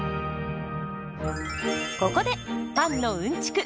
ここでパンのうんちく